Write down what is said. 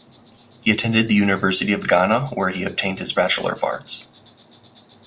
He attended the University of Ghana where he obtained his Bachelor of Arts.